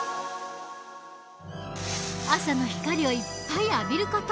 朝の光をいっぱい浴びる事。